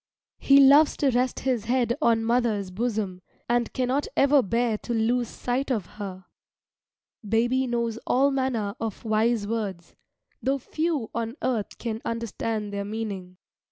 He loves to rest his head on mother's bosom, and cannot ever bear to lose sight of her. Baby knows all manner of wise words, though few on earth can understand their meaning.